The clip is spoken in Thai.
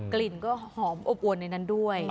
กลิ่นก็หอมอบอวนในนั้นด้วย